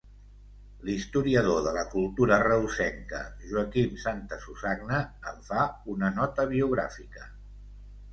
L'historiador de la cultura reusenca Joaquim Santasusagna en fa una nota biogràfica.